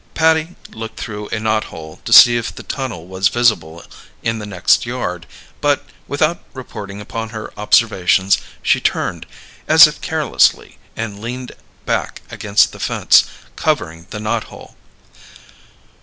Patty looked through a knot hole to see if the tunnel was visible in the next yard, but, without reporting upon her observations, she turned, as if carelessly, and leaned back against the fence, covering the knot hole.